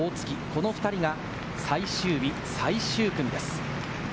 この２人が、最終日最終組です。